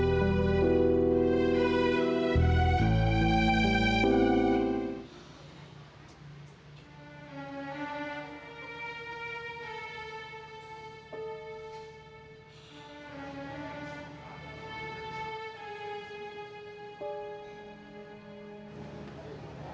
aku mau balik